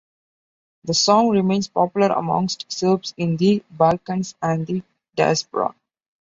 The song remains popular amongst Serbs in the Balkans and the diaspora.